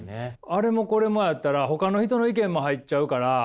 あれもこれもやったらほかの人の意見も入っちゃうから。